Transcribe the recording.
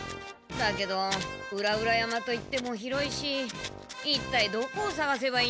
だけど裏々山といっても広いしいったいどこをさがせばいいんだろう？